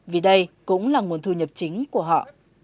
vì đây cũng là nguồn thu nhập chính của họ